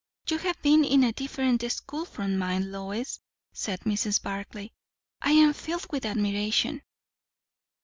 "You have been in a different school from mine, Lois," said Mrs. Barclay. "I am filled with admiration."